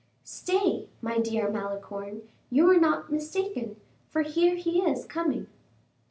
"Stay, my dear Malicorne, you were not mistaken, for here he is coming."